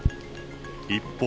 一方。